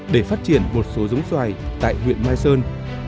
để phát triển một số giống xoài tại huyện mai sơn